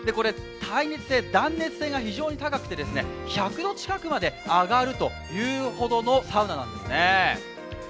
耐熱で断熱性が非常に高くて１００度近くまで上がるというほどのサウナなんですね。